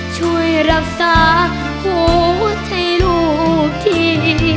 ช่วยรักษาหุ่นให้ลูกที่